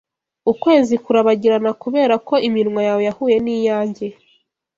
Ukwezi kurabagirana 'kuberako iminwa yawe yahuye niyanjye